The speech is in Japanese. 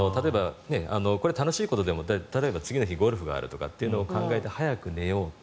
なので、楽しいことでも例えば次の日ゴルフがあるってことを考えて早く寝ようと。